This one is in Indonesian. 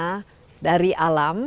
menggunakan pewarna dari alam